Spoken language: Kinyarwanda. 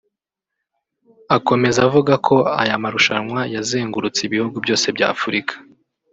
Akomeza avuga ko aya marushanwa yazengurutse ibihugu byose bya Afurika